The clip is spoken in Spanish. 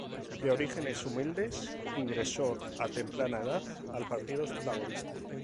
De orígenes humildes, ingresó a temprana edad al Partido Laborista.